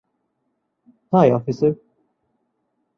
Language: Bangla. High, officer!